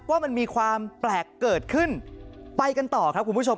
ว่ามันมีความแปลกเกิดขึ้นไปกันต่อครับคุณผู้ชม